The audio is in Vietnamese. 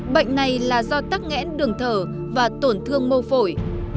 bệnh này là do tắc nghẽn đường thở và tổn thương mô phổi